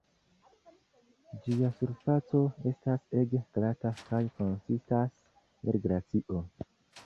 Ĝia surfaco estas ege glata kaj konsistas el glacio.